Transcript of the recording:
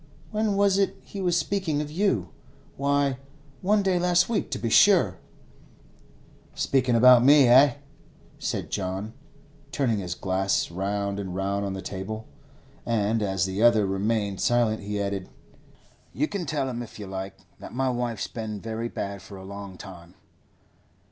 When was it he was speaking of you? Why, one day last week, to be sure.' 'Speakin' about me, eh?' said John, turning his glass round and round on the table. And as the other remained silent, he added, 'You can tell him, if you like, that my wife's been very bad for a long time.